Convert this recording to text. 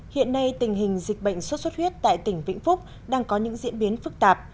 hiện nay tình hình dịch bệnh xuất xuất huyết tại tỉnh vĩnh phúc đang có những diễn biến phức tạp